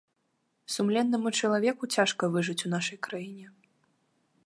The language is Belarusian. Сумленнаму чалавеку цяжка выжыць у нашай краіне.